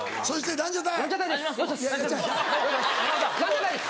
ランジャタイです。